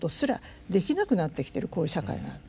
こういう社会がある。